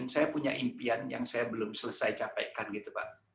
saya punya impian yang saya belum selesai capaikan gitu pak